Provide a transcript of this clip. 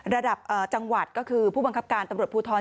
ระดับจังหวัดก็คือผู้บังคับการตำรวจภูทร